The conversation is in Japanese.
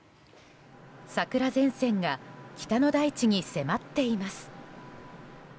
桜前線が北の大地に迫っています。